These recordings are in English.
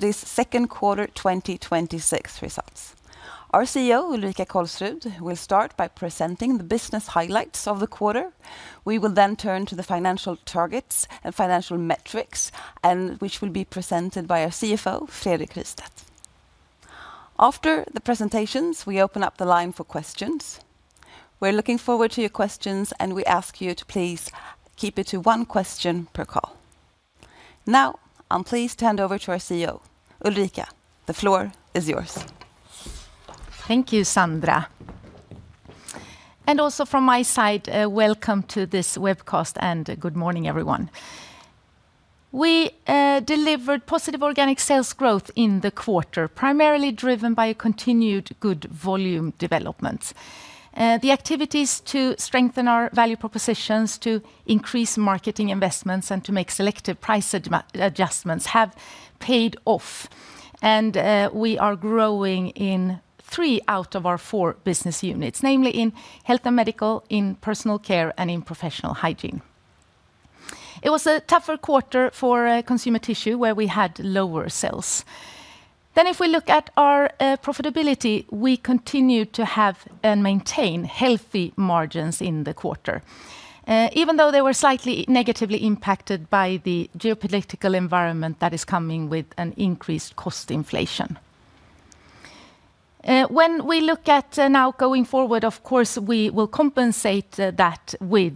Essity's second quarter 2026 results. Our CEO, Ulrika Kolsrud, will start by presenting the business highlights of the quarter. We will turn to the financial targets and financial metrics, which will be presented by our CFO, Fredrik Rystedt. After the presentations, we open up the line for questions. We're looking forward to your questions, and we ask you to please keep it to one question per call. Now, I'm pleased to hand over to our CEO. Ulrika, the floor is yours. Thank you, Sandra. Also from my side, welcome to this webcast and good morning, everyone. We delivered positive organic sales growth in the quarter, primarily driven by a continued good volume development. The activities to strengthen our value propositions, to increase marketing investments, and to make selective price adjustments have paid off. We are growing in three out of our four business units, namely in health and medical, in personal care, and in professional hygiene. It was a tougher quarter for consumer tissue, where we had lower sales. If we look at our profitability, we continued to have and maintain healthy margins in the quarter, even though they were slightly negatively impacted by the geopolitical environment that is coming with an increased cost inflation. When we look at now going forward, of course, we will compensate that with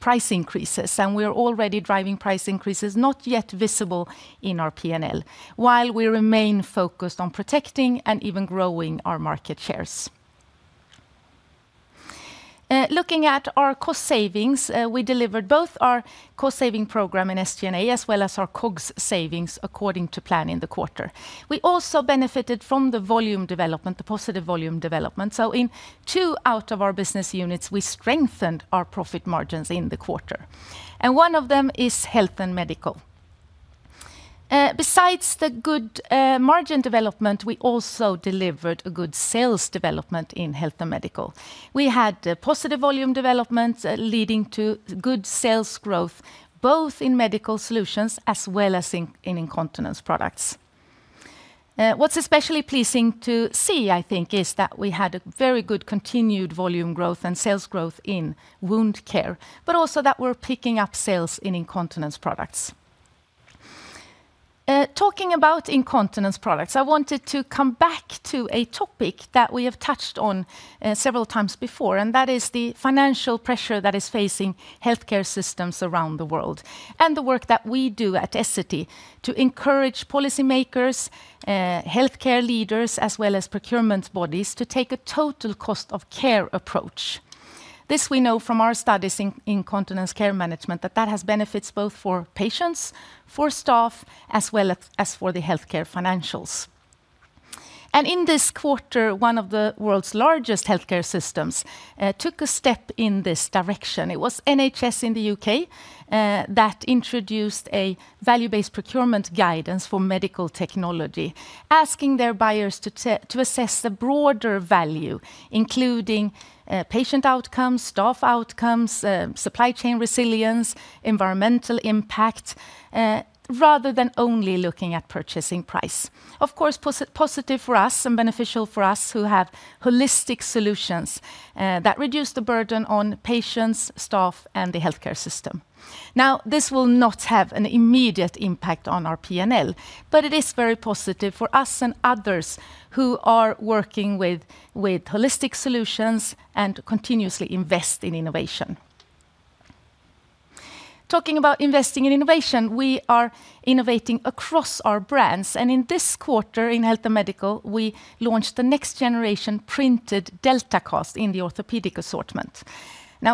price increases, and we are already driving price increases not yet visible in our P&L, while we remain focused on protecting and even growing our market shares. Looking at our cost savings, we delivered both our cost-saving program in SG&A as well as our COGS savings according to plan in the quarter. We also benefited from the volume development, the positive volume development. In two out of our business units, we strengthened our profit margins in the quarter, and one of them is health and medical. Besides the good margin development, we also delivered a good sales development in health and medical. We had positive volume developments leading to good sales growth, both in medical solutions as well as in incontinence products. What's especially pleasing to see, I think, is that we had a very good continued volume growth and sales growth in wound care, but also that we're picking up sales in incontinence products. Talking about incontinence products, I wanted to come back to a topic that we have touched on several times before, and that is the financial pressure that is facing healthcare systems around the world and the work that we do at Essity to encourage policy makers, healthcare leaders, as well as procurement bodies to take a total cost of care approach. This we know from our studies in incontinence care management that that has benefits both for patients, for staff, as well as for the healthcare financials. In this quarter, one of the world's largest healthcare systems took a step in this direction. It was NHS in the U.K. that introduced a value-based procurement guidance for medical technology, asking their buyers to assess the broader value, including patient outcomes, staff outcomes, supply chain resilience, environmental impact, rather than only looking at purchasing price. Of course, positive for us and beneficial for us who have holistic solutions that reduce the burden on patients, staff, and the healthcare system. This will not have an immediate impact on our P&L, but it is very positive for us and others who are working with holistic solutions and continuously invest in innovation. Talking about investing in innovation, we are innovating across our brands, and in this quarter in health and medical, we launched the next generation printed Delta-Cast in the orthopedic assortment.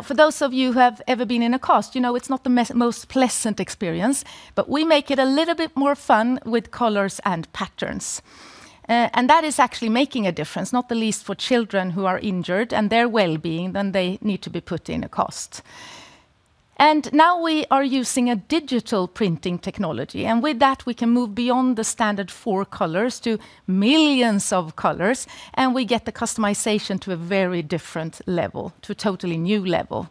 For those of you who have ever been in a cast, you know it's not the most pleasant experience, but we make it a little bit more fun with colors and patterns. That is actually making a difference, not the least for children who are injured and their wellbeing when they need to be put in a cast. We are now using a digital printing technology, and with that, we can move beyond the standard four colors to millions of colors, and we get the customization to a very different level, to a totally new level.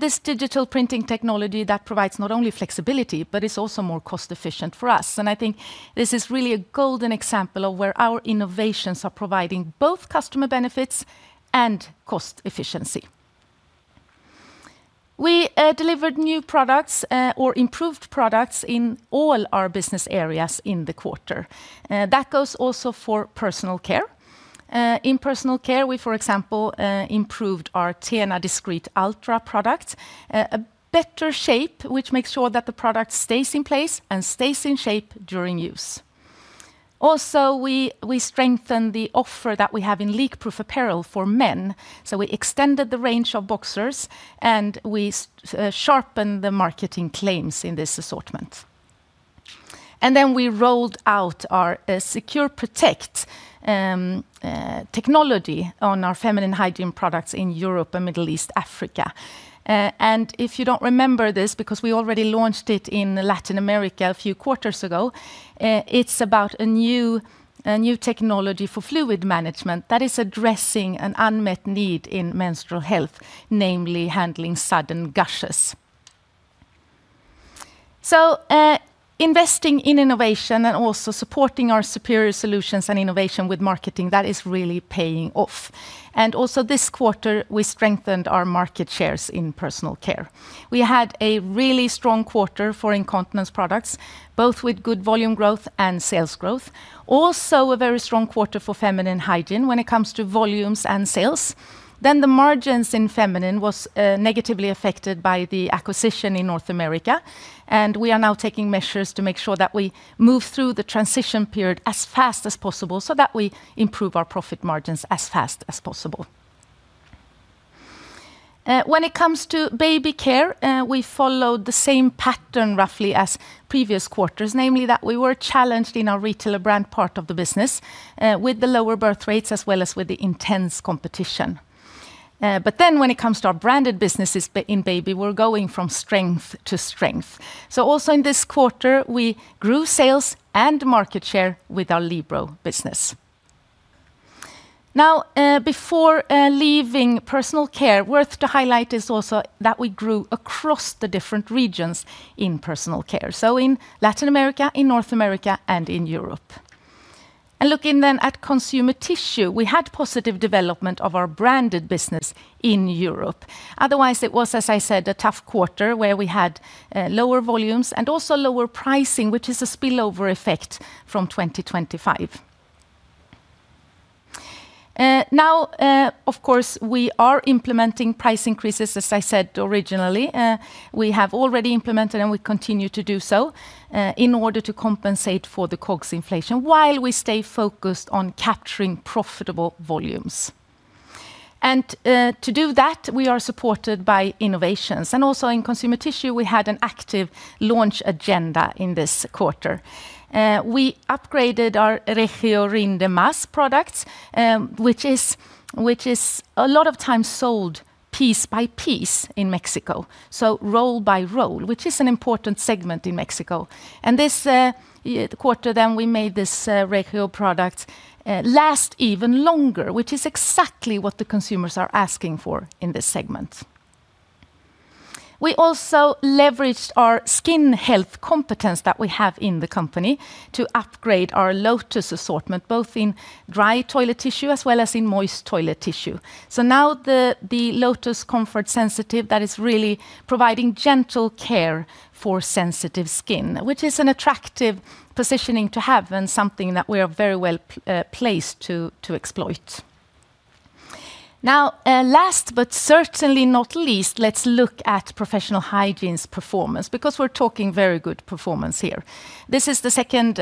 This digital printing technology that provides not only flexibility but is also more cost-efficient for us. I think this is really a golden example of where our innovations are providing both customer benefits and cost efficiency. We delivered new products or improved products in all our business areas in the quarter. That goes also for personal care. In personal care, we, for example, improved our TENA Discreet Ultra product, a better shape, which makes sure that the product stays in place and stays in shape during use. Also, we strengthened the offer that we have in leak-proof apparel for men. We extended the range of boxers, and we sharpened the marketing claims in this assortment. We then rolled out our Secure Protect technology on our feminine hygiene products in Europe and Middle East, Africa. If you don't remember this, because we already launched it in Latin America a few quarters ago, it's about a new technology for fluid management that is addressing an unmet need in menstrual health, namely handling sudden gushes. Investing in innovation and also supporting our superior solutions and innovation with marketing, that is really paying off. Also this quarter, we strengthened our market shares in Personal Care. We had a really strong quarter for incontinence products, both with good volume growth and sales growth. Also a very strong quarter for feminine hygiene when it comes to volumes and sales. The margins in feminine was negatively affected by the acquisition in North America, and we are now taking measures to make sure that we move through the transition period as fast as possible so that we improve our profit margins as fast as possible. When it comes to Baby Care, we followed the same pattern roughly as previous quarters. Namely, that we were challenged in our retailer brand part of the business, with the lower birth rates as well as with the intense competition. When it comes to our branded businesses in Baby, we're going from strength to strength. Also in this quarter, we grew sales and market share with our Libero business. Before leaving Personal Care, worth to highlight is also that we grew across the different regions in Personal Care. In Latin America, in North America, and in Europe. Looking then at Consumer Tissue, we had positive development of our branded business in Europe. Otherwise, it was, as I said, a tough quarter where we had lower volumes and also lower pricing, which is a spillover effect from 2025. Of course, we are implementing price increases, as I said originally. We have already implemented, and we continue to do so, in order to compensate for the COGS inflation while we stay focused on capturing profitable volumes. To do that, we are supported by innovations. Also in Consumer Tissue, we had an active launch agenda in this quarter. We upgraded our Regio Rinde Más products, which is a lot of times sold piece by piece in Mexico, roll by roll, which is an important segment in Mexico. This quarter then, we made this Regio product last even longer, which is exactly what the consumers are asking for in this segment. We also leveraged our skin health competence that we have in the company to upgrade our Lotus assortment, both in dry toilet tissue as well as in moist toilet tissue. Now the Lotus Confort Sensitive, that is really providing gentle care for sensitive skin, which is an attractive positioning to have and something that we are very well-placed to exploit. Last but certainly not least, let's look at Professional Hygiene's performance because we're talking very good performance here. This is the second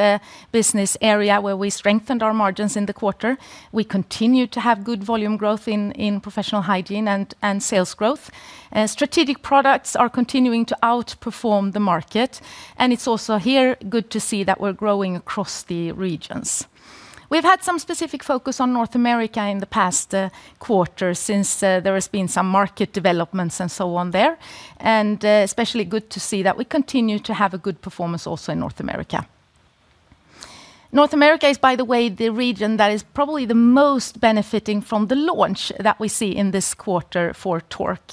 business area where we strengthened our margins in the quarter. We continue to have good volume growth in Professional Hygiene and sales growth. Strategic products are continuing to outperform the market. It's also here good to see that we're growing across the regions. We've had some specific focus on North America in the past quarter since there has been some market developments and so on there. Especially good to see that we continue to have a good performance also in North America. North America is, by the way, the region that is probably the most benefiting from the launch that we see in this quarter for Tork.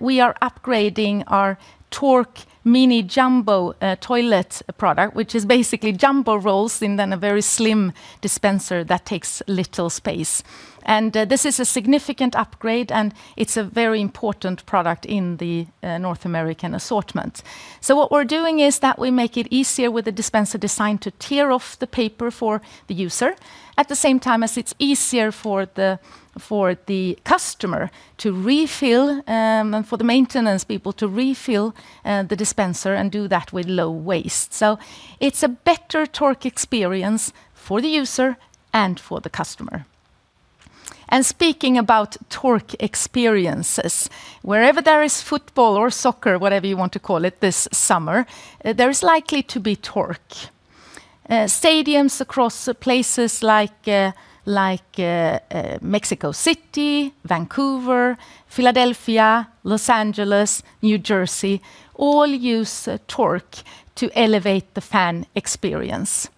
We are upgrading our Tork Mini Jumbo toilet product, which is basically jumbo rolls in then a very slim dispenser that takes little space. This is a significant upgrade, and it's a very important product in the North American assortment. What we're doing is that we make it easier with the dispenser design to tear off the paper for the user, at the same time as it's easier for the customer to refill, and for the maintenance people to refill, the dispenser and do that with low waste. It's a better Tork experience for the user and for the customer. Speaking about Tork experiences, wherever there is football or soccer, whatever you want to call it this summer, there is likely to be Tork. Stadiums across places like Mexico City, Vancouver, Philadelphia, Los Angeles, New Jersey, all use Tork to elevate the fan experience.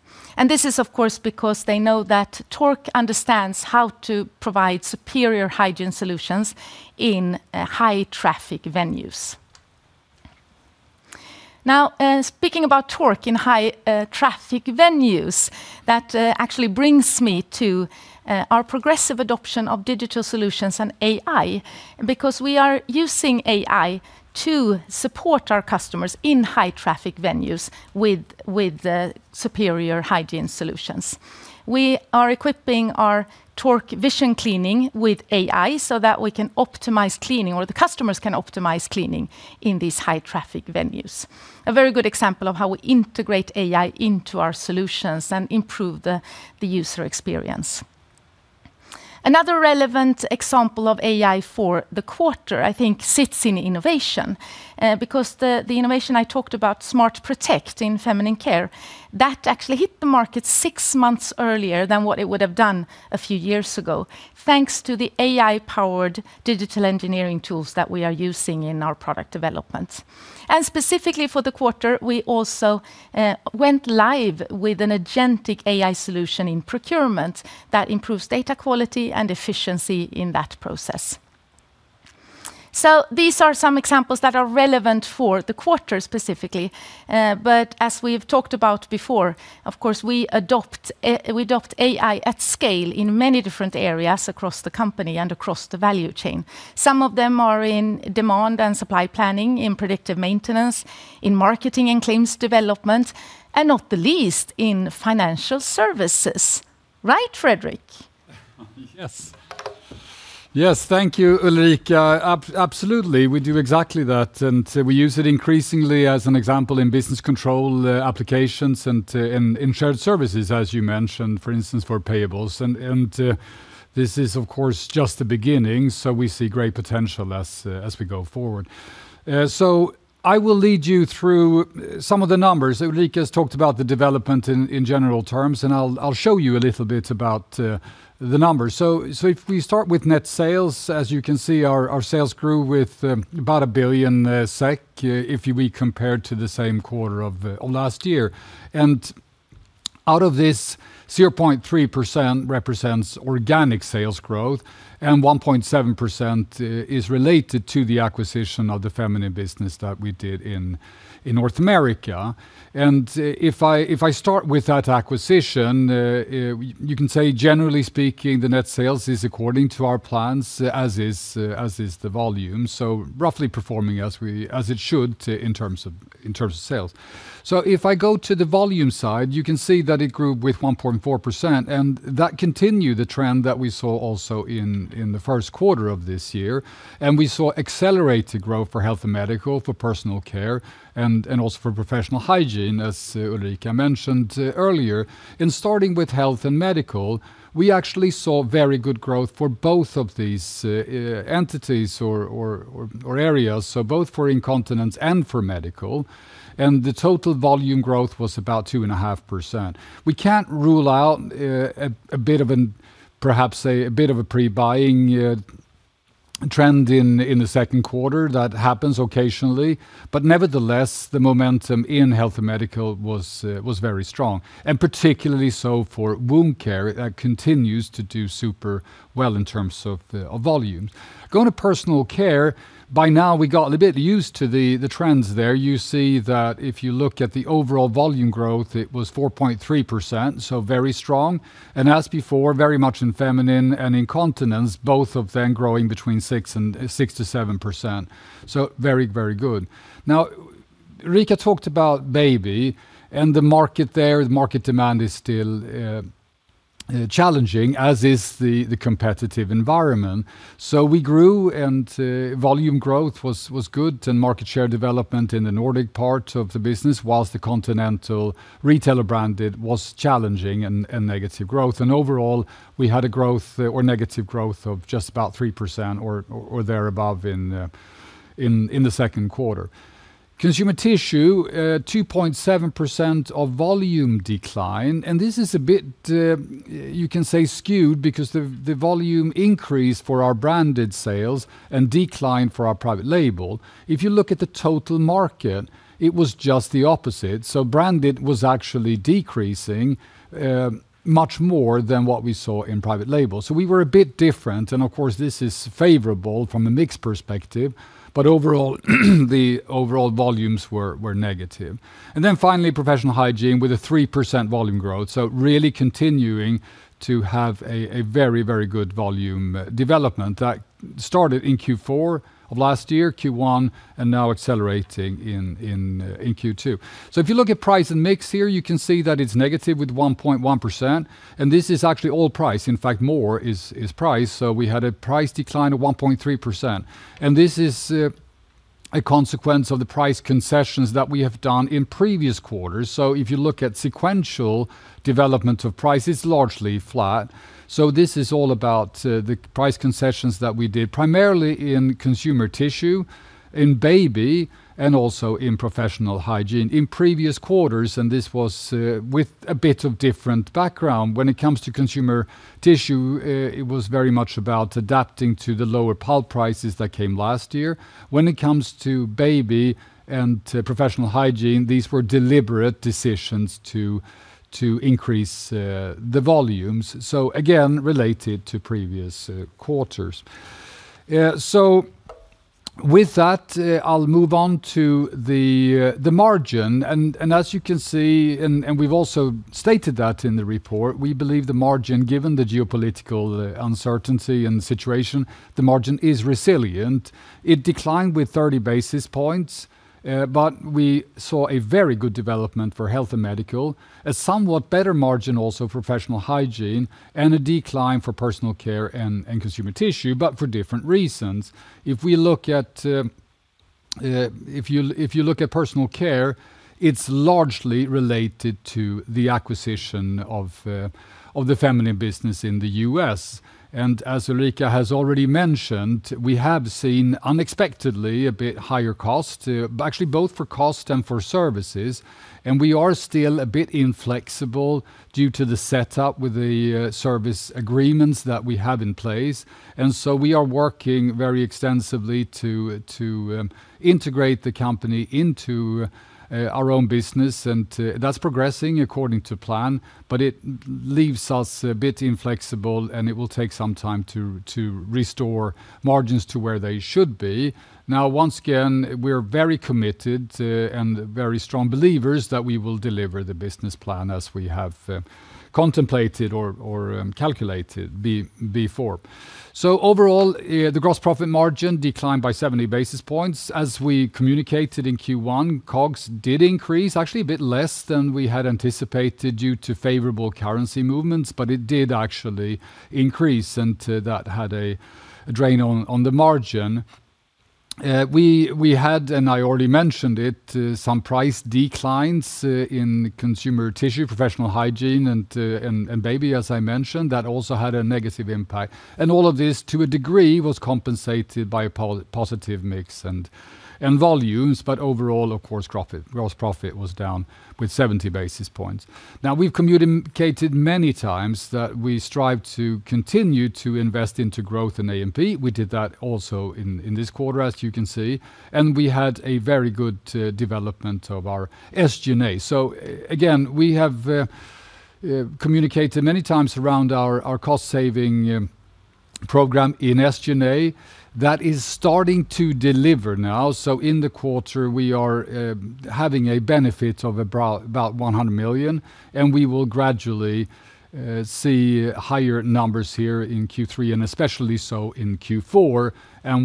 This is, of course, because they know that Tork understands how to provide superior hygiene solutions in high-traffic venues. speaking about Tork in high-traffic venues, that actually brings me to our progressive adoption of digital solutions and AI, because we are using AI to support our customers in high-traffic venues with superior hygiene solutions. We are equipping our Tork Vision Cleaning with AI so that we can optimize cleaning, or the customers can optimize cleaning in these high-traffic venues. A very good example of how we integrate AI into our solutions and improve the user experience. Another relevant example of AI for the quarter, I think, sits in innovation, because the innovation I talked about, Smart Protect in feminine care, that actually hit the market six months earlier than what it would have done a few years ago, thanks to the AI-powered digital engineering tools that we are using in our product development. specifically for the quarter, we also went live with an agentic AI solution in procurement that improves data quality and efficiency in that process. These are some examples that are relevant for the quarter specifically. As we've talked about before, of course, we adopt AI at scale in many different areas across the company and across the value chain. Some of them are in demand and supply planning, in predictive maintenance, in marketing and claims development, and not the least, in financial services. Right, Fredrik? Yes. Thank you, Ulrika. Absolutely. We do exactly that, we use it increasingly as an example in business control applications and in shared services, as you mentioned, for instance, for payables. This is, of course, just the beginning. We see great potential as we go forward. I will lead you through some of the numbers. Ulrika has talked about the development in general terms, I'll show you a little bit about the numbers. If we start with net sales, as you can see, our sales grew with about 1 billion SEK, if we compared to the same quarter of last year. Out of this, 0.3% represents organic sales growth, 1.7% is related to the acquisition of the feminine business that we did in North America. If I start with that acquisition, you can say, generally speaking, the net sales is according to our plans, as is the volume. Roughly performing as it should in terms of sales. If I go to the volume side, you can see that it grew with 1.4%, that continued the trend that we saw also in the first quarter of this year. We saw accelerated growth for health and medical, for personal care, and also for professional hygiene, as Ulrika mentioned earlier. In starting with health and medical, we actually saw very good growth for both of these entities or areas, so both for incontinence and for medical. The total volume growth was about 2.5%. We can't rule out perhaps a bit of a pre-buying trend in the second quarter that happens occasionally. Nevertheless, the momentum in Health and Medical was very strong, particularly so for wound care. It continues to do super well in terms of volumes. Going to Personal Care, by now, we got a bit used to the trends there. If you look at the overall volume growth, it was 4.3%, very strong. As before, very much in feminine and incontinence, both of them growing between 6%-7%. Very good. Ulrika talked about baby and the market there. The market demand is still challenging, as is the competitive environment. We grew and volume growth was good, and market share development in the Nordic part of the business, whilst the continental retailer brand was challenging and negative growth. Overall, we had a negative growth of just about 3% or thereabout in the second quarter. Consumer Tissue, 2.7% of volume decline. This is a bit, you can say, skewed because the volume increased for our branded sales and declined for our private label. If you look at the total market, it was just the opposite. Branded was actually decreasing much more than what we saw in private label. We were a bit different, of course, this is favorable from a mix perspective, but the overall volumes were negative. Finally, Professional Hygiene with a 3% volume growth. Really continuing to have a very good volume development that started in Q4 of last year, Q1, and now accelerating in Q2. If you look at price and mix here, you can see that it's negative with 1.1%, this is actually all price. In fact, more is price. We had a price decline of 1.3%, this is a consequence of the price concessions that we have done in previous quarters. If you look at sequential development of price, it's largely flat. This is all about the price concessions that we did, primarily in Consumer Tissue, in baby, and also in Professional Hygiene in previous quarters, this was with a bit of different background. When it comes to Consumer Tissue, it was very much about adapting to the lower pulp prices that came last year. When it comes to baby and Professional Hygiene, these were deliberate decisions to increase the volumes. Again, related to previous quarters. With that, I'll move on to the margin. As you can see, we've also stated that in the report, we believe the margin, given the geopolitical uncertainty and situation, the margin is resilient. It declined with 30 basis points. We saw a very good development for Health and Medical, a somewhat better margin also for Professional Hygiene, and a decline for Personal Care and Consumer Tissue, but for different reasons. If you look at Personal Care, it's largely related to the acquisition of the feminine business in the U.S. As Ulrika has already mentioned, we have seen unexpectedly a bit higher cost, but actually both for cost and for services. We are still a bit inflexible due to the setup with the service agreements that we have in place. We are working very extensively to integrate the company into our own business, that's progressing according to plan, but it leaves us a bit inflexible, and it will take some time to restore margins to where they should be. Once again, we're very committed and very strong believers that we will deliver the business plan as we have contemplated or calculated before. Overall, the gross profit margin declined by 70 basis points. As we communicated in Q1, COGS did increase, actually a bit less than we had anticipated due to favorable currency movements, but it did actually increase, and that had a drain on the margin. We had, and I already mentioned it, some price declines in consumer tissue, professional hygiene, and baby, as I mentioned, that also had a negative impact. All of this, to a degree, was compensated by a positive mix and volumes. Overall, of course, gross profit was down with 70 basis points. We've communicated many times that we strive to continue to invest into growth in A&P. We did that also in this quarter, as you can see, we had a very good development of our SG&A. Again, we have communicated many times around our cost-saving program in SG&A. That is starting to deliver now. In the quarter, we are having a benefit of about 100 million, and we will gradually see higher numbers here in Q3, and especially so in Q4.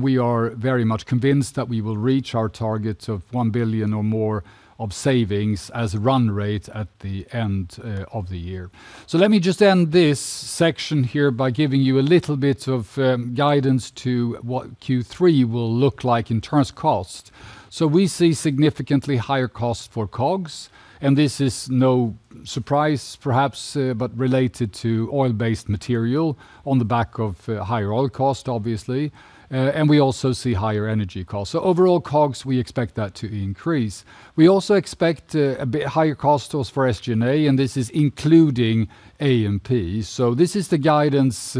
We are very much convinced that we will reach our target of 1 billion or more of savings as run rate at the end of the year. Let me just end this section here by giving you a little bit of guidance to what Q3 will look like in terms of cost. We see significantly higher costs for COGS, and this is no surprise, perhaps, but related to oil-based material on the back of higher oil cost, obviously. We also see higher energy costs. Overall COGS, we expect that to increase. We also expect a bit higher costs for SG&A, and this is including A&P. This is the guidance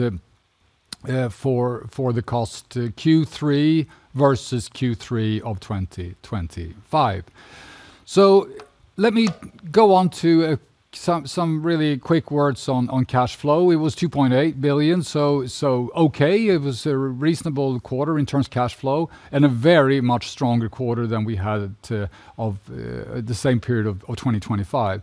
for the cost Q3 versus Q3 of 2025. Let me go on to some really quick words on cash flow. It was 2.8 billion, so okay. It was a reasonable quarter in terms of cash flow and a very much stronger quarter than we had of the same period of 2025.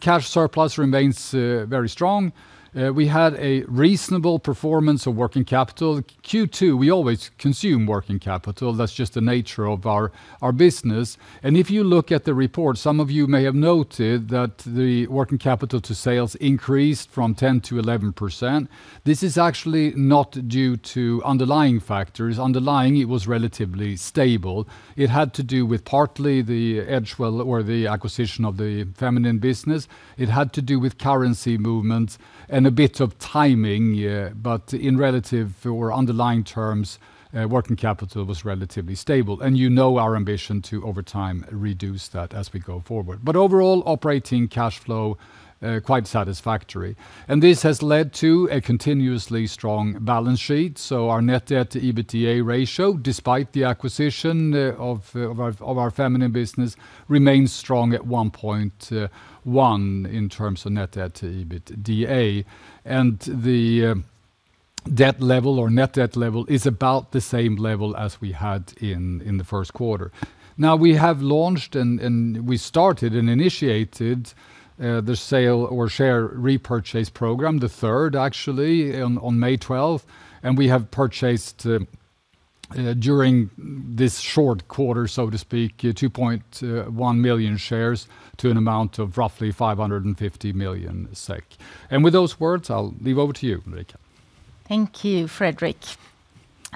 Cash surplus remains very strong. We had a reasonable performance of working capital. Q2, we always consume working capital. That's just the nature of our business. If you look at the report, some of you may have noted that the working capital to sales increased from 10%-11%. This is actually not due to underlying factors. Underlying, it was relatively stable. It had to do with partly the Edgewell or the acquisition of the feminine business. It had to do with currency movement and a bit of timing. In relative or underlying terms, working capital was relatively stable. You know our ambition to, over time, reduce that as we go forward. Overall, operating cash flow, quite satisfactory. This has led to a continuously strong balance sheet. Our net debt-to-EBITDA ratio, despite the acquisition of our feminine business, remains strong at 1.1 in terms of net debt-to-EBITDA. The debt level or net debt level is about the same level as we had in the first quarter. We have launched, and we started and initiated the sale or share repurchase program, the third actually, on May 12th. We have purchased, during this short quarter, so to speak, 2.1 million shares to an amount of roughly 550 million SEK. With those words, I'll leave over to you, Ulrika. Thank you, Fredrik.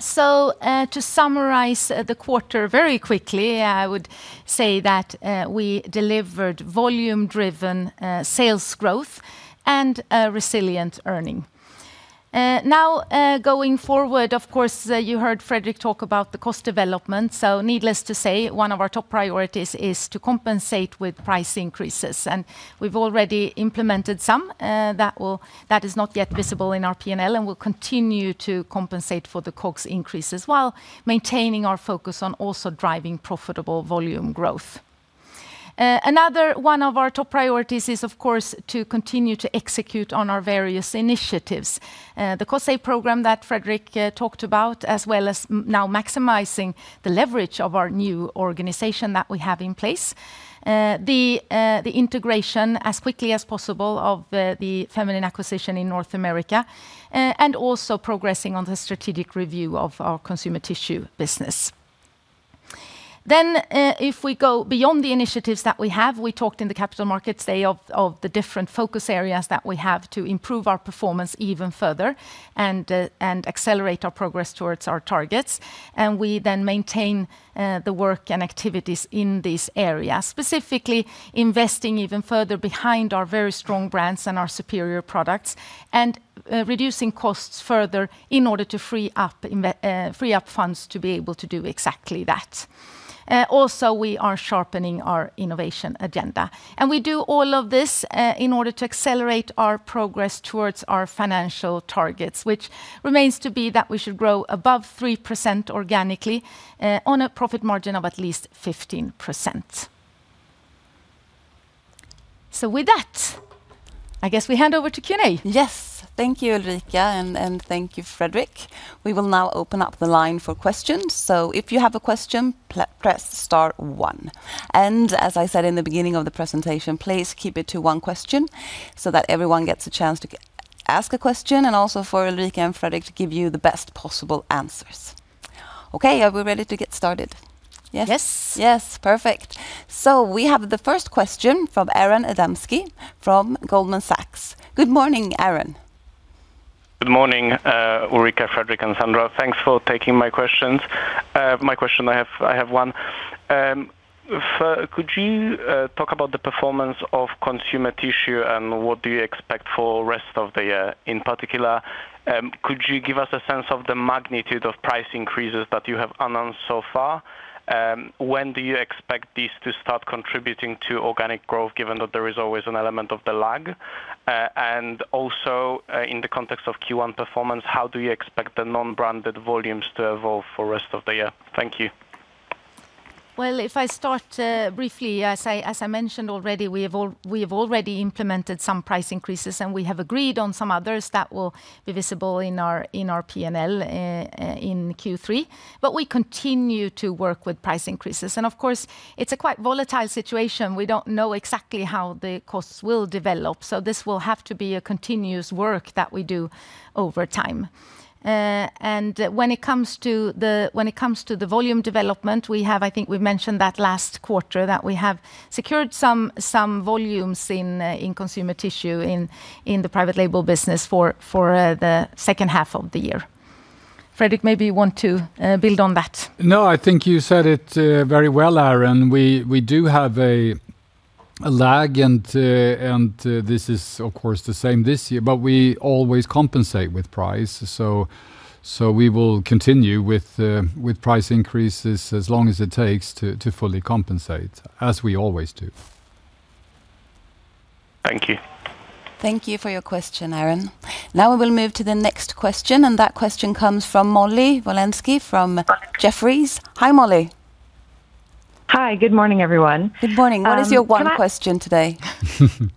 To summarize the quarter very quickly, I would say that we delivered volume-driven sales growth and a resilient earning. Going forward, of course, you heard Fredrik talk about the cost development. Needless to say, one of our top priorities is to compensate with price increases. We've already implemented some that is not yet visible in our P&L and will continue to compensate for the COGS increases while maintaining our focus on also driving profitable volume growth. Another one of our top priorities is, of course, to continue to execute on our various initiatives. The cost save program that Fredrik talked about, as well as now maximizing the leverage of our new organization that we have in place. The integration as quickly as possible of the feminine acquisition in North America, and also progressing on the strategic review of our consumer tissue business. If we go beyond the initiatives that we have, we talked in the Capital Markets Day of the different focus areas that we have to improve our performance even further and accelerate our progress towards our targets. We then maintain the work and activities in this area, specifically investing even further behind our very strong brands and our superior products and reducing costs further in order to free up funds to be able to do exactly that. We are sharpening our innovation agenda, we do all of this in order to accelerate our progress towards our financial targets, which remains to be that we should grow above 3% organically on a profit margin of at least 15%. With that, I guess we hand over to Q&A. Yes. Thank you, Ulrika, thank you, Fredrik. We will now open up the line for questions. If you have a question, press star one. As I said in the beginning of the presentation, please keep it to one question so that everyone gets a chance to ask a question, and also for Ulrika and Fredrik to give you the best possible answers. Okay. Are we ready to get started? Yes. Yes. Perfect. We have the first question from Aron Adamski, from Goldman Sachs. Good morning, Aron. Good morning, Ulrika, Fredrik, and Sandra. Thanks for taking my questions. My question, I have one. Could you talk about the performance of consumer tissue and what do you expect for rest of the year? In particular, could you give us a sense of the magnitude of price increases that you have announced so far? When do you expect this to start contributing to organic growth, given that there is always an element of the lag? Also, in the context of Q1 performance, how do you expect the non-branded volumes to evolve for rest of the year? Thank you. Well, if I start briefly, as I mentioned already, we have already implemented some price increases, and we have agreed on some others that will be visible in our P&L in Q3. We continue to work with price increases. Of course, it's a quite volatile situation. We don't know exactly how the costs will develop, so this will have to be a continuous work that we do over time. When it comes to the volume development, I think we've mentioned that last quarter that we have secured some volumes in consumer tissue in the private label business for the second half of the year. Fredrik, maybe you want to build on that. No, I think you said it very well, Aron. We do have a lag and this is, of course, the same this year, we always compensate with price. We will continue with price increases as long as it takes to fully compensate, as we always do. Thank you. Thank you for your question, Aron. Now we will move to the next question. That question comes from Molly Wylenzek from Jefferies. Hi, Molly. Hi. Good morning, everyone. Good morning. What is your one question today?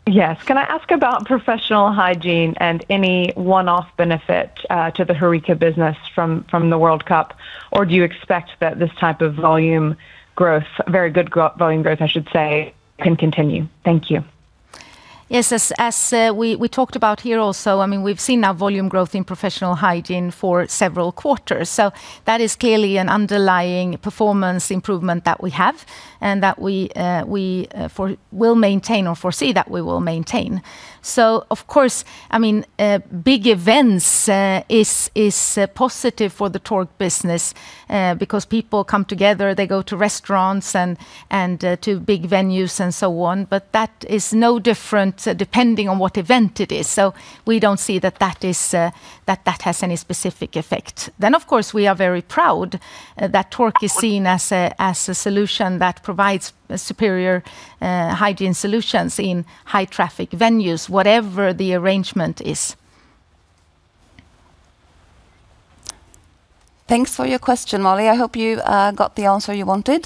Yes. Can I ask about Professional Hygiene and any one-off benefit to the HoReCa business from the World Cup? Do you expect that this type of very good growth, volume growth, I should say, can continue? Thank you. Yes. As we talked about here also, we've seen now volume growth in Professional Hygiene for several quarters. That is clearly an underlying performance improvement that we have and that we will maintain or foresee that we will maintain. Of course, big events is positive for the Tork business because people come together, they go to restaurants and to big venues and so on, but that is no different depending on what event it is. We don't see that that has any specific effect. Of course, we are very proud that Tork is seen as a solution that provides superior hygiene solutions in high traffic venues, whatever the arrangement is. Thanks for your question, Molly. I hope you got the answer you wanted.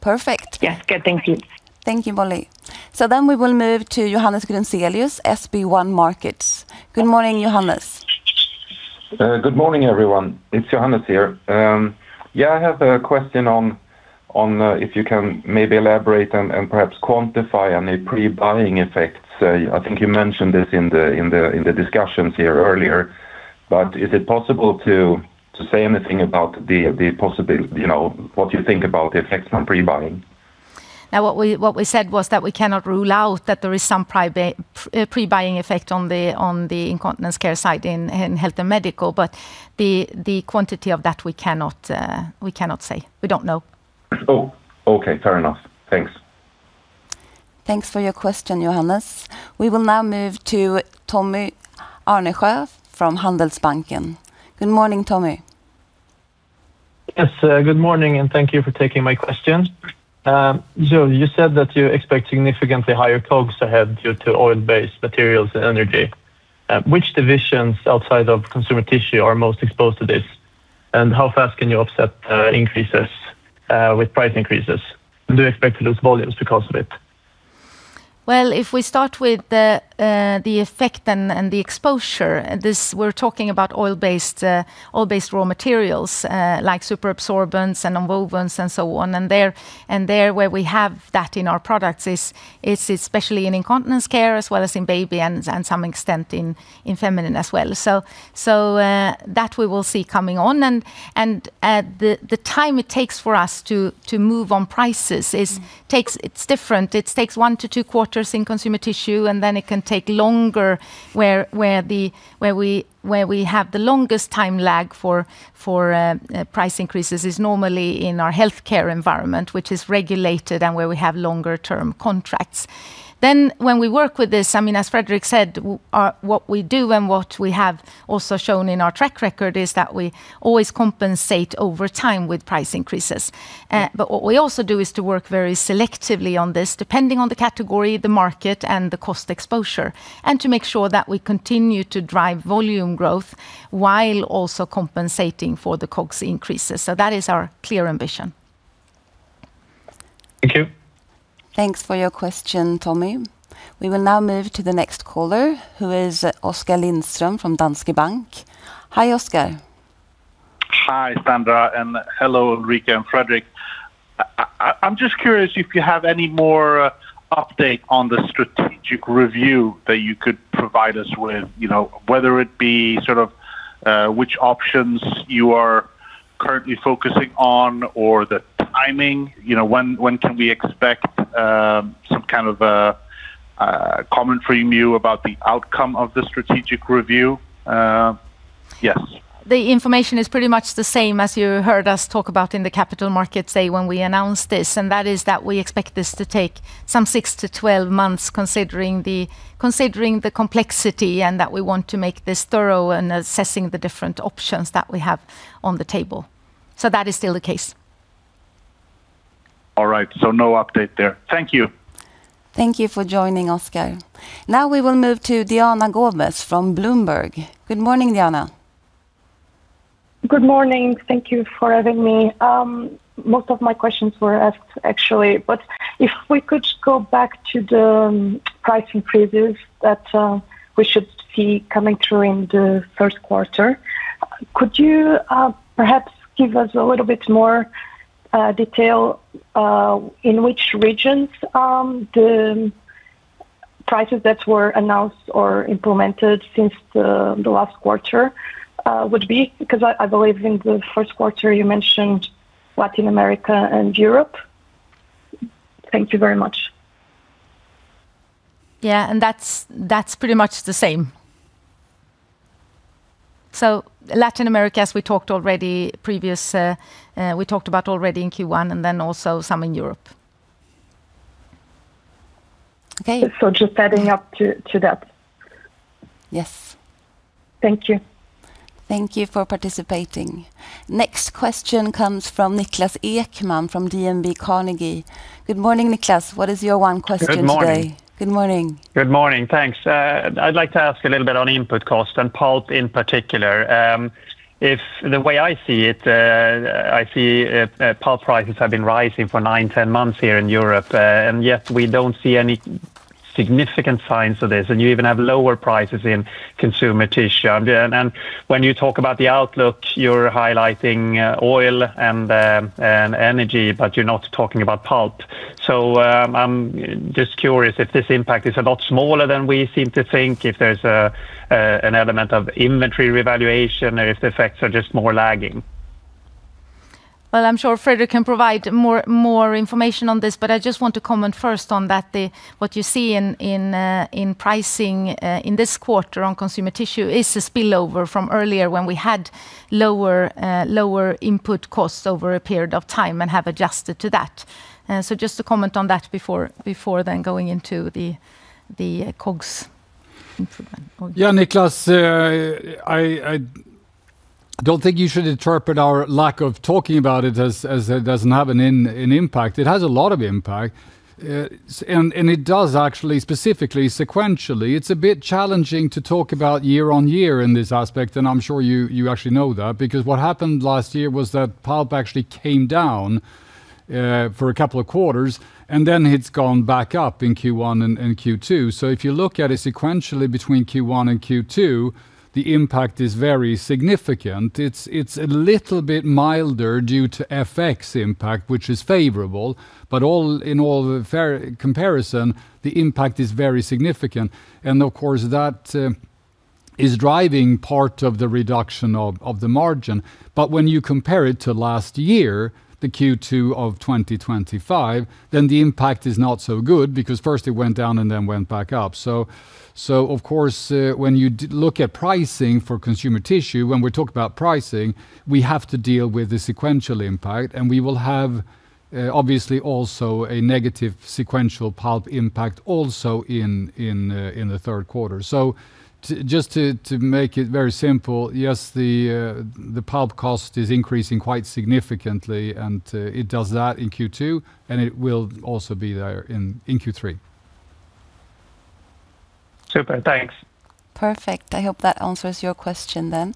Perfect. Yes. Good, thank you. Thank you, Molly. We will move to Johannes Grunselius, SB1 Markets. Good morning, Johannes. Good morning, everyone. It's Johannes here. I have a question on if you can maybe elaborate and perhaps quantify any pre-buying effects. I think you mentioned this in the discussions here earlier. Is it possible to say anything about what you think about the effects on pre-buying? What we said was that we cannot rule out that there is some pre-buying effect on the incontinence care side in health and medical, but the quantity of that, we cannot say. We don't know. Okay. Fair enough. Thanks. Thanks for your question, Johannes. We will now move to Tommy Arlasjö from Handelsbanken. Good morning, Tommy. Yes, good morning, and thank you for taking my question. You said that you expect significantly higher COGS ahead due to oil-based materials and energy. Which divisions outside of consumer tissue are most exposed to this? How fast can you offset increases with price increases? Do you expect to lose volumes because of it? If we start with the effect and the exposure, we're talking about oil-based raw materials, like super absorbents and wovens and so on, and there where we have that in our products is especially in incontinence care as well as in baby and some extent in feminine as well. That we will see coming on. The time it takes for us to move on prices, it's different. It takes one to two quarters in consumer tissue, and then it can take longer where we have the longest time lag for price increases is normally in our health care environment, which is regulated and where we have longer term contracts. When we work with this, as Fredrik said, what we do and what we have also shown in our track record is that we always compensate over time with price increases. What we also do is to work very selectively on this, depending on the category, the market, and the cost exposure, and to make sure that we continue to drive volume growth while also compensating for the COGS increases. That is our clear ambition. Thank you. Thanks for your question, Tommy. We will now move to the next caller, who is Oskar Lindström from Danske Bank. Hi, Oskar. Hi, Sandra, and hello Ulrika and Fredrik. I'm just curious if you have any more update on the strategic review that you could provide us with. Whether it be which options you are currently focusing on or the timing. When can we expect some kind of a commentary from you about the outcome of the strategic review? Yes. The information is pretty much the same as you heard us talk about in the capital markets day when we announced this, and that is that we expect this to take some six to 12 months considering the complexity and that we want to make this thorough in assessing the different options that we have on the table. That is still the case. All right. No update there. Thank you. Thank you for joining, Oskar. We will move to Diana Gomes from Bloomberg. Good morning, Diana. Good morning. Thank you for having me. Most of my questions were asked, actually. If we could go back to the price increases that we should see coming through in the first quarter. Could you perhaps give us a little bit more detail in which regions the prices that were announced or implemented since the last quarter would be? I believe in the first quarter you mentioned Latin America and Europe. Thank you very much. Yeah, that's pretty much the same. Latin America, as we talked about already in Q1, and then also some in Europe. Okay. Just adding up to that. Yes. Thank you. Thank you for participating. Next question comes from Niklas Ekman from DNB Carnegie. Good morning, Niklas. What is your one question today? Good morning. Good morning. Good morning. Thanks. I'd like to ask a little bit on input cost and pulp in particular. The way I see it, I see pulp prices have been rising for nine, 10 months here in Europe, yet we don't see any significant signs of this, and you even have lower prices in consumer tissue. When you talk about the outlook, you're highlighting oil and energy, but you're not talking about pulp. I'm just curious if this impact is a lot smaller than we seem to think, if there's an element of inventory revaluation, or if the effects are just more lagging. Well, I'm sure Fredrik can provide more information on this, but I just want to comment first on what you see in pricing in this quarter on consumer tissue is a spillover from earlier when we had lower input costs over a period of time and have adjusted to that. Just to comment on that before then going into the COGS improvement. Yeah, Niklas, I don't think you should interpret our lack of talking about it as it doesn't have an impact. It has a lot of impact, and it does actually, specifically, sequentially. It's a bit challenging to talk about year-over-year in this aspect, and I'm sure you actually know that, because what happened last year was that pulp actually came down for a couple of quarters, and then it's gone back up in Q1 and Q2. If you look at it sequentially between Q1 and Q2, the impact is very significant. It's a little bit milder due to FX impact, which is favorable, but in all fair comparison, the impact is very significant. Of course, that is driving part of the reduction of the margin. When you compare it to last year, the Q2 of 2025, the impact is not so good because first it went down and then went back up. Of course, when you look at pricing for consumer tissue, when we talk about pricing, we have to deal with the sequential impact, and we will have obviously also a negative sequential pulp impact also in the third quarter. Just to make it very simple, yes, the pulp cost is increasing quite significantly, and it does that in Q2, and it will also be there in Q3. Super. Thanks. Perfect. I hope that answers your question.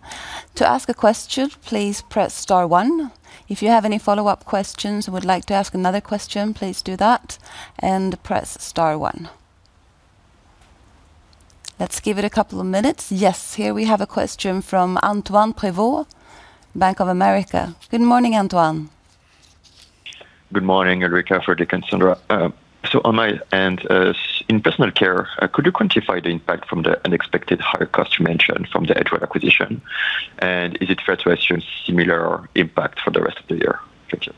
To ask a question, please press star one. If you have any follow-up questions or would like to ask another question, please do that and press star one. Let's give it a couple of minutes. Yes, here we have a question from Antoine Prévot, Bank of America. Good morning, Antoine. Good morning, Ulrika, Fredrik, and Sandra. On my end, in personal care, could you quantify the impact from the unexpected higher cost you mentioned from the Edgewell acquisition? Is it fair to assume similar impact for the rest of the year? Thank you.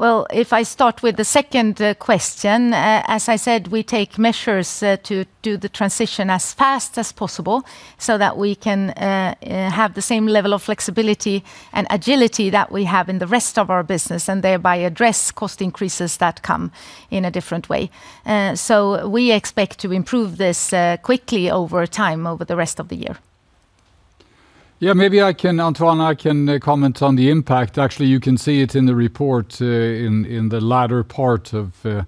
Well, if I start with the second question, as I said, we take measures to do the transition as fast as possible so that we can have the same level of flexibility and agility that we have in the rest of our business and thereby address cost increases that come in a different way. We expect to improve this quickly over time over the rest of the year. Yeah, maybe, Antoine, I can comment on the impact. Actually, you can see it in the report in the latter part of the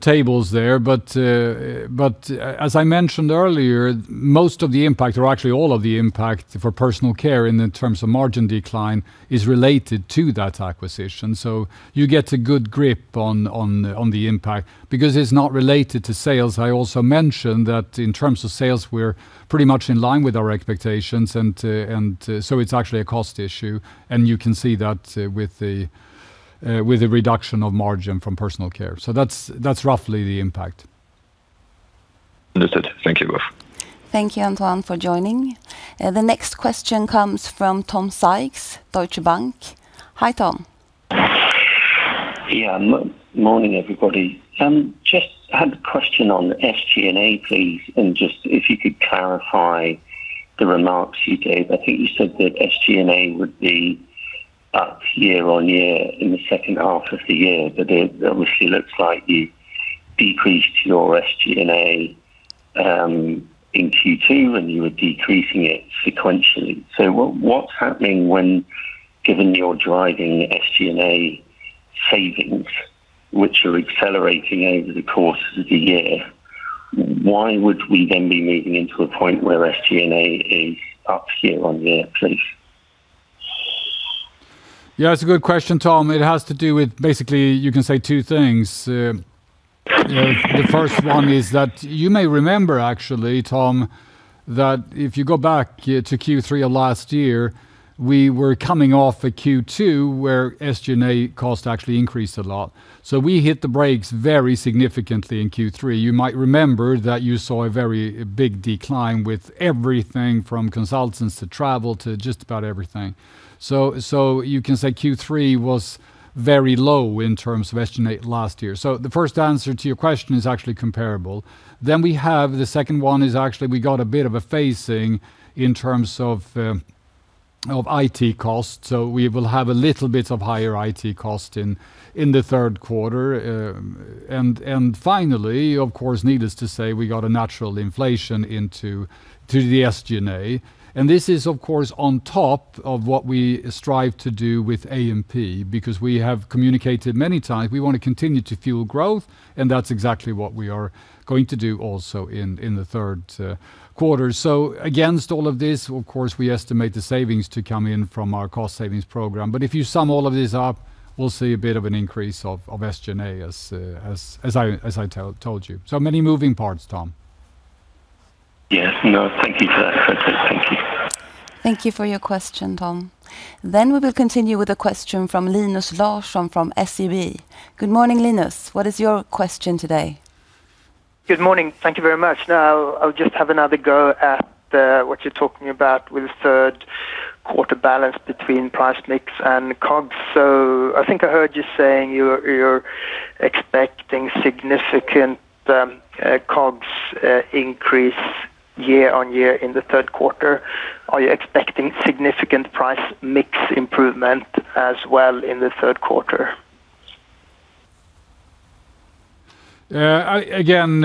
tables there, but as I mentioned earlier, most of the impact, or actually all of the impact for personal care in terms of margin decline is related to that acquisition. You get a good grip on the impact because it's not related to sales. I also mentioned that in terms of sales, we're pretty much in line with our expectations. It's actually a cost issue, and you can see that with the reduction of margin from personal care. That's roughly the impact. Understood. Thank you, both. Thank you, Antoine, for joining. The next question comes from Tom Sykes, Deutsche Bank. Hi, Tom. Yeah. Morning, everybody. Just had a question on SG&A, please, and just if you could clarify the remarks you gave. I think you said that SG&A would be up year-on-year in the second half of the year, but it obviously looks like you decreased your SG&A in Q2, and you were decreasing it sequentially. What's happening when, given you're driving SG&A savings, which are accelerating over the course of the year, why would we then be moving into a point where SG&A is up year-on-year, please? Yeah, it's a good question, Tom. It has to do with basically you can say two things. Yeah. The first one is that you may remember actually, Tom, that if you go back to Q3 of last year, we were coming off a Q2 where SG&A cost actually increased a lot. We hit the brakes very significantly in Q3. You might remember that you saw a very big decline with everything from consultants to travel to just about everything. You can say Q3 was very low in terms of SG&A last year. The first answer to your question is actually comparable. We have the second one is actually we got a bit of a phasing in terms of IT costs, so we will have a little bit of higher IT cost in the third quarter. Finally, of course, needless to say, we got a natural inflation into the SG&A. This is, of course, on top of what we strive to do with A&P, because we have communicated many times we want to continue to fuel growth, and that's exactly what we are going to do also in the third quarter. Against all of this, of course, we estimate the savings to come in from our cost savings program. If you sum all of this up, we'll see a bit of an increase of SG&A as I told you. Many moving parts, Tom. Yes. No, thank you for that. Thank you. Thank you for your question, Tom. We will continue with a question from Linus Larsson from SEB. Good morning, Linus. What is your question today? Good morning. Thank you very much. I'll just have another go at what you're talking about with the third quarter balance between price mix and COGS. I think I heard you saying you're expecting significant COGS increase year-over-year in the third quarter. Are you expecting significant price mix improvement as well in the third quarter? Again,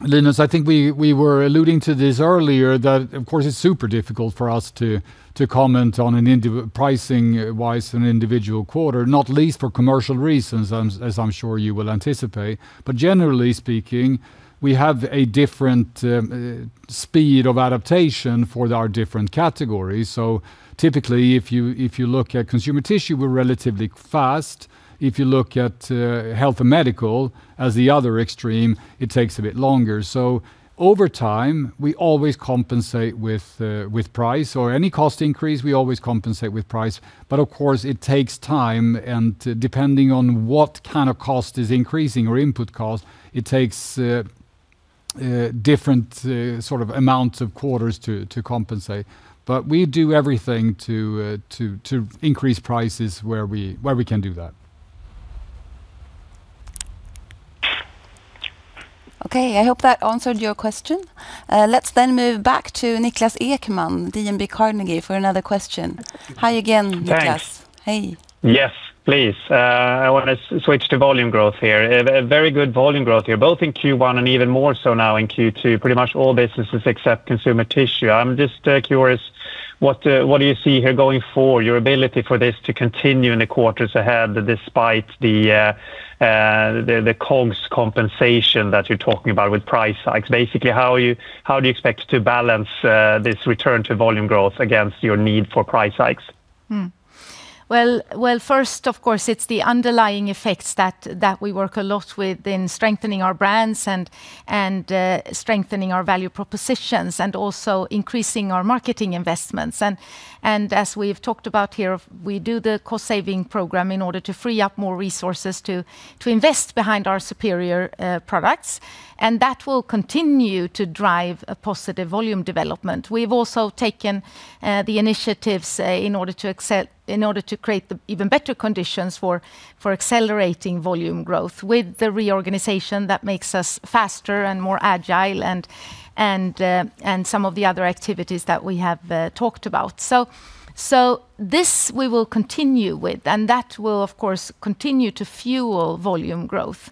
Linus, I think we were alluding to this earlier that, of course, it's super difficult for us to comment on pricing-wise an individual quarter, not least for commercial reasons as I'm sure you will anticipate. Generally speaking, we have a different speed of adaptation for our different categories. Typically if you look at Consumer Tissue, we're relatively fast. If you look at Health and Medical as the other extreme, it takes a bit longer. Over time, we always compensate with price or any cost increase, we always compensate with price. Of course, it takes time, and depending on what kind of cost is increasing or input cost, it takes different amounts of quarters to compensate. We do everything to increase prices where we can do that. Okay, I hope that answered your question. Let's move back to Niklas Ekman, DNB Carnegie, for another question. Hi again, Niklas. Thanks. Hey. Yes, please. I want to switch to volume growth here. A very good volume growth here, both in Q1 and even more so now in Q2, pretty much all businesses except Consumer Tissue. I'm just curious, what do you see here going forward, your ability for this to continue in the quarters ahead despite the COGS compensation that you're talking about with price hikes? Basically, how do you expect to balance this return to volume growth against your need for price hikes? First, of course, it's the underlying effects that we work a lot with in strengthening our brands and strengthening our value propositions and also increasing our marketing investments. As we've talked about here, we do the cost-saving program in order to free up more resources to invest behind our superior products, that will continue to drive a positive volume development. We've also taken the initiatives in order to create even better conditions for accelerating volume growth with the reorganization that makes us faster and more agile some of the other activities that we have talked about. This we will continue with, that will, of course, continue to fuel volume growth.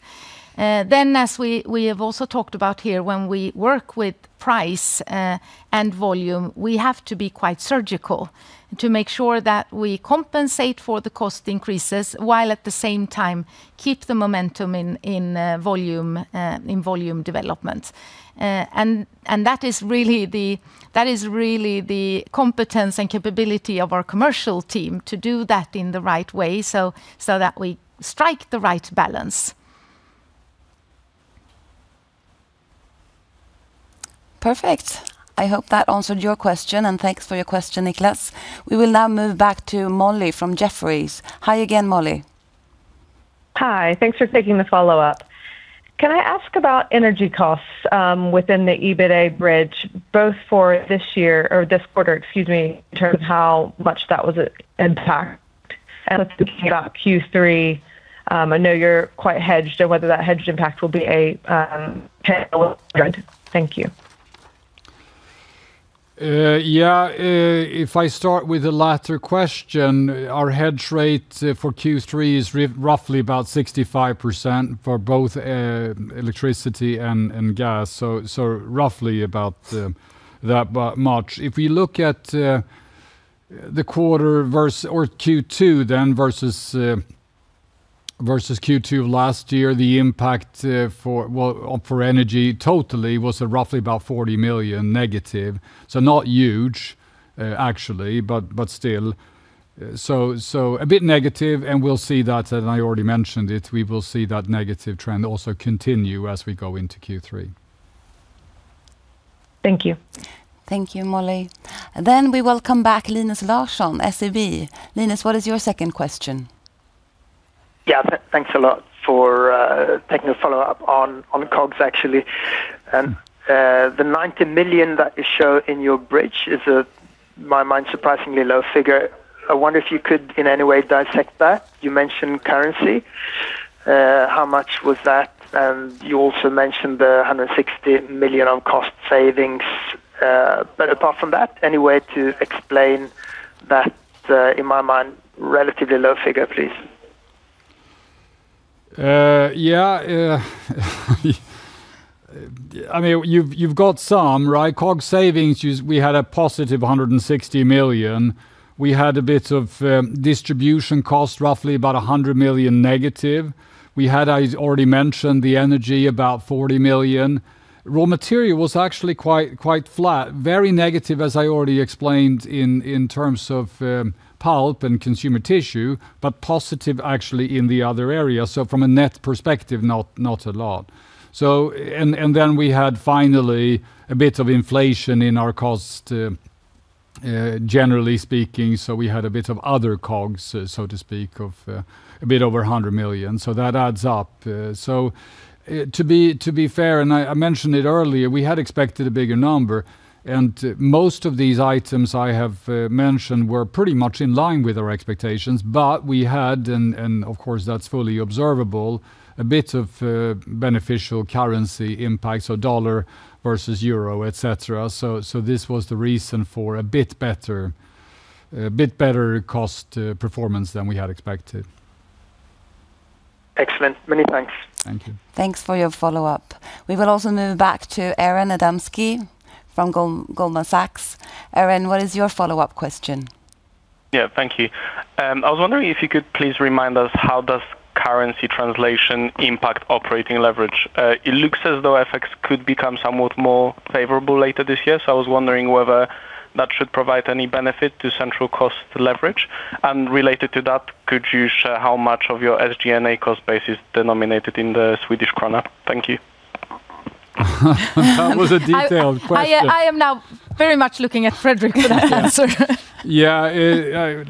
As we have also talked about here, when we work with price and volume, we have to be quite surgical to make sure that we compensate for the cost increases while at the same time keep the momentum in volume development. That is really the competence and capability of our commercial team to do that in the right way so that we strike the right balance. Perfect. I hope that answered your question. Thanks for your question, Niklas. We will now move back to Molly from Jefferies. Hi again, Molly. Hi. Thanks for taking the follow-up. Can I ask about energy costs within the EBITA bridge, both for this quarter in terms of how much that was impacted? Looking about Q3, I know you're quite hedged, and whether that hedged impact will be a tangible trend. Thank you. Yeah. If I start with the latter question, our hedge rate for Q3 is roughly about 65% for both electricity and gas. Roughly about that much. If you look at Q2 then versus Q2 of last year, the impact for energy totally was roughly about 40 million negative. Not huge, actually, but still. A bit negative, and we'll see that, and I already mentioned it, we will see that negative trend also continue as we go into Q3. Thank you. Thank you, Molly. We welcome back Linus Larsson, SEB. Linus, what is your second question? Thanks a lot for taking a follow-up on COGS, actually. The 90 million that you show in your bridge is, in my mind, a surprisingly low figure. I wonder if you could, in any way, dissect that? You mentioned currency. How much was that? You also mentioned the 160 million on cost savings. Apart from that, any way to explain that, in my mind, relatively low figure, please? You've got some, right? COGS savings, we had a positive 160 million. We had a bit of distribution cost, roughly about 100 million negative. We had, I already mentioned, the energy about 40 million. Raw material was actually quite flat. Very negative as I already explained in terms of pulp and consumer tissue, but positive actually in the other areas. From a net perspective, not a lot. Then we had finally a bit of inflation in our cost, generally speaking, so we had a bit of other COGS, so to speak, of a bit over 100 million. That adds up. To be fair, and I mentioned it earlier, we had expected a bigger number, and most of these items I have mentioned were pretty much in line with our expectations. We had, and of course that's fully observable, a bit of beneficial currency impact, so USD versus EUR, et cetera. This was the reason for a bit better cost performance than we had expected. Excellent. Many thanks. Thank you. Thanks for your follow-up. We will also move back to Aron Adamski from Goldman Sachs. Aron, what is your follow-up question? Yeah, thank you. I was wondering if you could please remind us how does currency translation impact operating leverage? It looks as though FX could become somewhat more favorable later this year, so I was wondering whether that should provide any benefit to central cost leverage. Related to that, could you share how much of your SG&A cost base is denominated in the Swedish krona? Thank you. That was a detailed question. I am now very much looking at Fredrik for that answer. Yeah.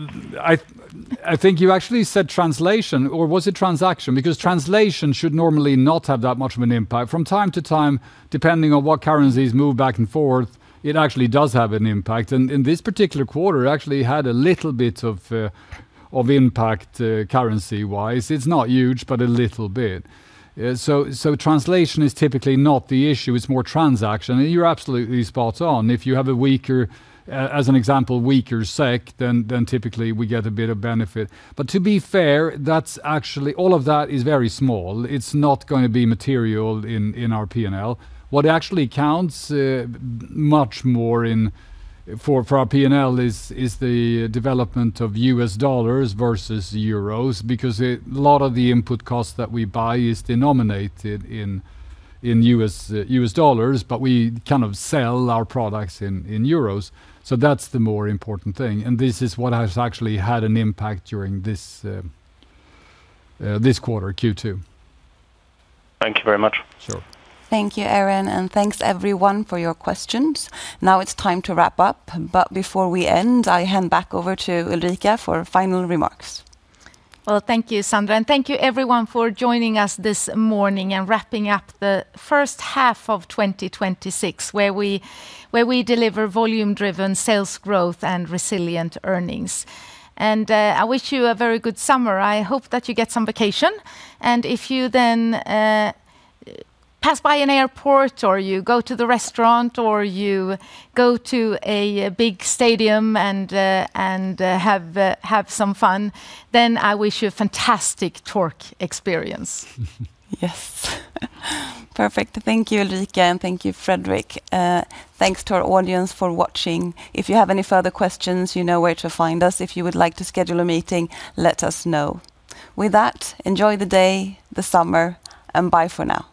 I think you actually said translation, or was it transaction? Translation should normally not have that much of an impact. From time to time, depending on what currencies move back and forth, it actually does have an impact, and this particular quarter actually had a little bit of impact currency-wise. It's not huge, but a little bit. Translation is typically not the issue, it's more transaction. You're absolutely spot on. To be fair, all of that is very small. It's not going to be material in our P&L. What actually counts much more for our P&L is the development of U.S dollars versus euros, because a lot of the input cost that we buy is denominated in U.S dollars, but we sell our products in euros. That's the more important thing, and this is what has actually had an impact during this quarter, Q2. Thank you very much. Sure. Thank you, Aron, and thanks, everyone, for your questions. Now it's time to wrap up, but before we end, I hand back over to Ulrika for final remarks. Well, thank you, Sandra, and thank you, everyone, for joining us this morning and wrapping up the first half of 2026, where we deliver volume-driven sales growth and resilient earnings. I wish you a very good summer. I hope that you get some vacation, and if you then pass by an airport, or you go to the restaurant, or you go to a big stadium and have some fun, then I wish you a fantastic Tork experience. Yes. Perfect. Thank you, Ulrika, and thank you, Fredrik. Thanks to our audience for watching. If you have any further questions, you know where to find us. If you would like to schedule a meeting, let us know. With that, enjoy the day, the summer, and bye for now.